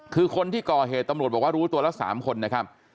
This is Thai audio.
คือคนที่ก่อเหตุตำรวจบอกว่ารู้ตัวละ๓คนนะครับ